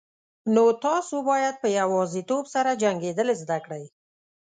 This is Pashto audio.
نو تاسو باید په یوازیتوب سره جنگیدل زده کړئ.